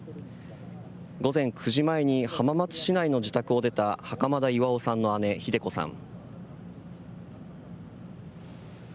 午前９時前に浜松市内の自宅を出た袴田巌さんの姉・ひで子さん。